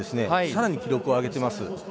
更に記録を上げてます。